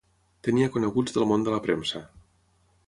Tenia coneguts del món de la premsa.